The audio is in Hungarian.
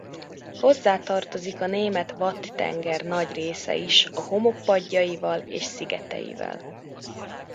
Hozzá tartozik a német Watt-tenger nagy része is a homokpadjaival és szigeteivel.